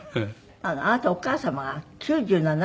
あなたお母様が９７歳？